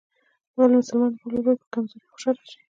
ولي مسلمان د بل ورور په کمزورۍ خوشحاله سي؟